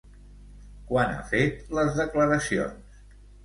Quan ha fet les declaracions?